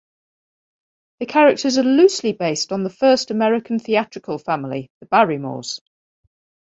The characters are loosely based on the first American theatrical family, the Barrymores.